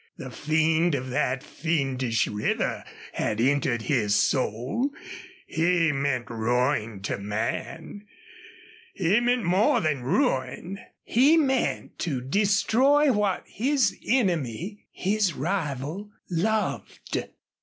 The fiend of that fiendish river had entered his soul. He meant ruin to a man. He meant more than ruin. He meant to destroy what his enemy, his rival loved.